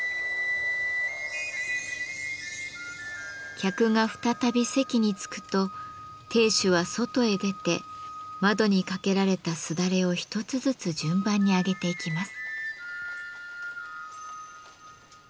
客が再び席に着くと亭主は外へ出て窓に掛けられたすだれを一つずつ順番に上げていきます。